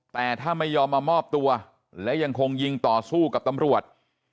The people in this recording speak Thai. แต่ถ้าไม่ยอมมามอบตัวและยังคงยิงต่อสู้กับตำรวจ